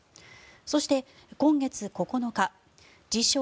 そして、今月９日自称